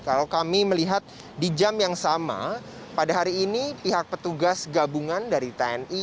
kalau kami melihat di jam yang sama pada hari ini pihak petugas gabungan dari tni